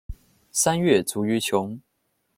三月卒于琼。